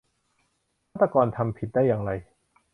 ฆาตกรทำผิดได้อย่างไร